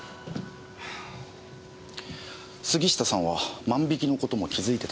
杉下さんは万引きのことも気づいてたんですか？